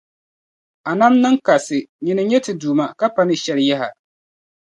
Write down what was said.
A nam niŋ kasi, nyini n-nyɛ ti Duuma ka pa ni shɛli yaha.